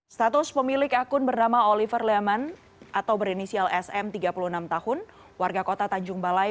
status pemilik akun bernama oliver leman atau berinisial sm tiga puluh enam tahun warga kota tanjung balai